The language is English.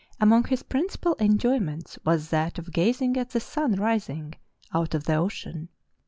Among his principal enjoyments was that of gazing at the sun rising out of the ocean.